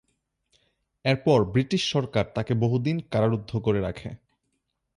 এরপর ব্রিটিশ সরকার তাকে বহুদিন কারারুদ্ধ করে রাখে।